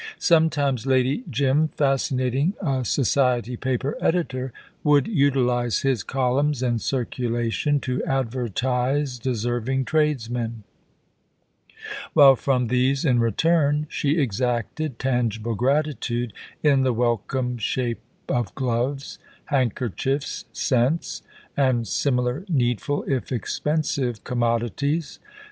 Sometimes Lady Jim, fascinating a society paper editor, would utilise his columns and circulation to advertise deserving tradesmen: while from these, in return, she exacted tangible gratitude in the welcome shape of gloves, handkerchiefs, scents, and similar needful if expensive commodities.